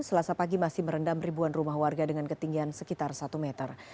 selasa pagi masih merendam ribuan rumah warga dengan ketinggian sekitar satu meter